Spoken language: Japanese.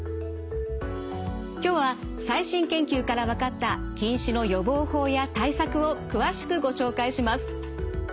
今日は最新研究から分かった近視の予防法や対策を詳しくご紹介します。